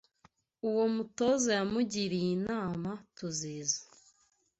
Uwo mutoza yamugiriye inama TUZIza.